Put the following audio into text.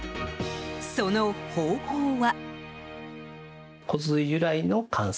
その方法は？